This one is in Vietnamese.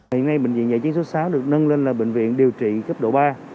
hiện nay bệnh viện giải chiến số sáu được nâng lên là bệnh viện điều trị cấp độ ba